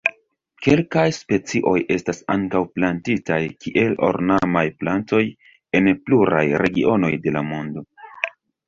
Kelkaj specioj estas ankaŭ plantitaj kiel ornamaj plantoj en pluraj regionoj de la mondo.